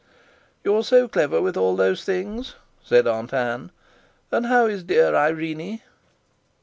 "You're so clever with all those things," said Aunt Ann. "And how is dear Irene?"